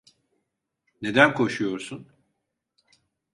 Neden koşuyorsun?